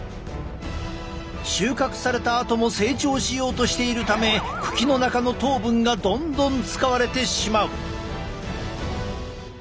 収穫されたあとも成長しようとしているため茎の中の糖分がどんどん使われてしまう。